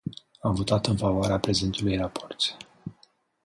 Am votat în favoarea prezentului raport.